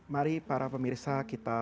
mari para pemirsa kita